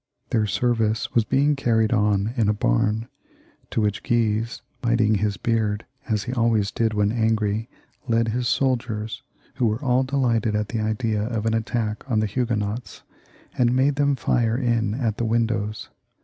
Their service was being carried on in a bam, to which Guise, biting his beard as he always did when angry, led XXXVIII.] CHARLES IX. 273 his soldiers, who were all delighted at the idea of an attack on the Huguenots, and made them fire in at the windows.